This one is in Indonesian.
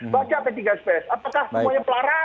baca p tiga ps apakah semuanya pelarangan